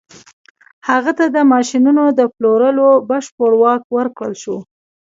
هغه ته د ماشينونو د پلورلو بشپړ واک ورکړل شو.